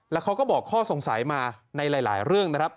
แล้วเขาก็บอกข้อสงสัยมาในหลายเรื่องนะครับ